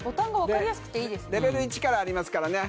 レベル１からありますからね